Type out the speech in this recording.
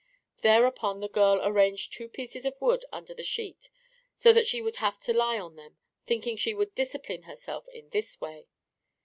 Thereupon the girl arranged two pieces of wood under the sheet so that she would have to lie on them, thinking she would discipline herself in this way.